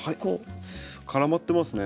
絡まってますね。